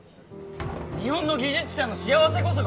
日本の技術者の幸せこそが